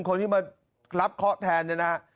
คนที่มารับเคาะแทนนะครับ